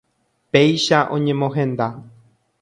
Péicha oñemohenda.